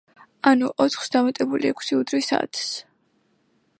ანუ ოთხს დამატებული ექვსი უდრის ათს.